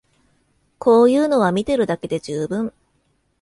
こういうのは見てるだけで充分